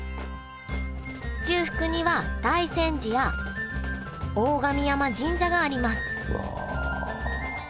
中腹には大山寺や大神山神社がありますうわ！